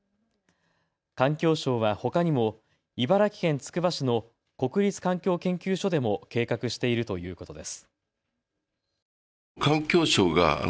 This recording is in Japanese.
環境省はほかにも茨城県つくば市の国立環境研究所でも計画しているということです。